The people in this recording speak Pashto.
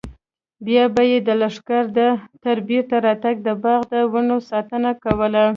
بیا به یې د لښکر تر بېرته راتګ د باغ د ونو ساتنه کوله.